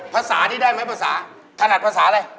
ภาษานี้ได้ไหมภาษาถนัดภาษาอะไร